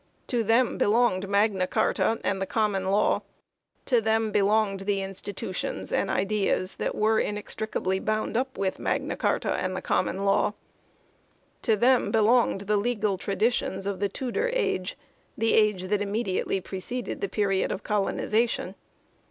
To them belonged Magna Carta and the Common Law ; to them belonged the institutions and ideas that were inextri cably bound up with Magna Carta and the Common Law ; to them belonged the legal traditions of the Tudor age the age that immediately preceded the period of colonization.